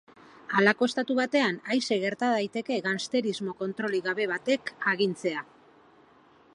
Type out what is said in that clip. Halako estatu batean aise gerta daiteke gangsterismo kontrolik gabe batek agintzea.